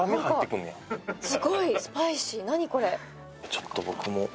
ちょっと僕も。